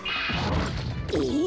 え？